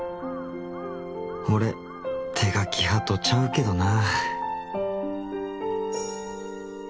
俺手書き派とちゃうけどナ。